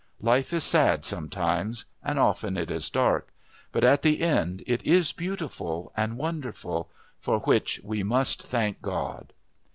Life is sad sometimes, and often it is dark, but at the end it is beautiful and wonderful, for which we must thank God."